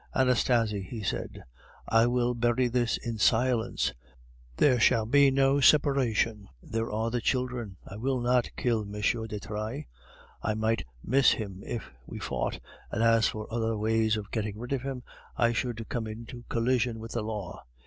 'Anastasie,' he said, 'I will bury this in silence; there shall be no separation; there are the children. I will not kill M. de Trailles. I might miss him if we fought, and as for other ways of getting rid of him, I should come into collision with the law.